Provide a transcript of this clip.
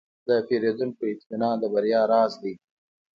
د پیرودونکو اطمینان د بریا راز دی.